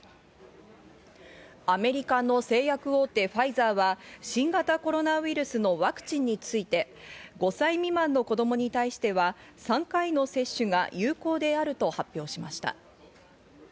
アメリカの製薬大手・ファイザーは新型コロナウイルスのワクチンについて、５歳未満の子供に対しては３回の接種が有効であると発表しました。